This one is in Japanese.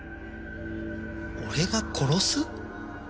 俺が殺す？